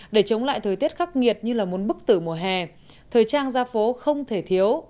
để chống lại thời tiết khắc nghiệt như là một bức tử mùa hè thời trang ra phố không thể thiếu